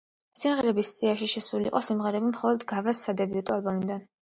სიმღერების სიაში შესული იყო სიმღერები მხოლოდ გაგას სადებიუტო ალბომიდან.